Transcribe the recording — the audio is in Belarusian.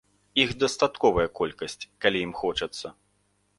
Іх дастатковая колькасць, калі ім хочацца.